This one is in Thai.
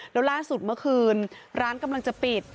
แล้วล่าสุดเมื่อคืนร้านกำลังจะปิด